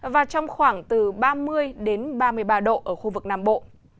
và trong khoảng từ ba mươi ba mươi ba độ ở khu vực nam bộ